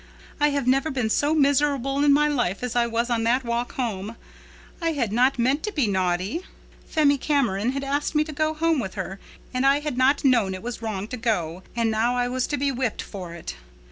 I have never been so miserable in my life as I was on that walk home. I had not meant to be naughty. Phemy Cameron had asked me to go home with her and I had not known it was wrong to go. And now I was to be whipped for it.